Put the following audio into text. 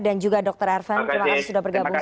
dan juga dokter ervan terima kasih sudah bergabung